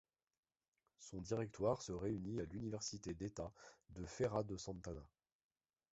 Son directoire se réunit à l'université d'État de Feira de Santana.